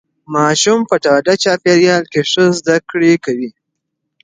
ماشوم په ډاډه چاپیریال کې ښه زده کړه کوي.